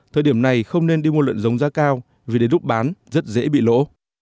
thời điểm này không nên đi mua lợn giống giá cao vì đến lúc bán rất dễ bị lỗ